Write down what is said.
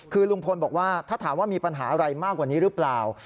คือลุงพลบอกว่าถ้าถามว่ามีปัญหาอะไรมากกว่านี้หรือเปล่า